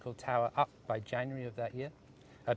pada bulan januari tahun itu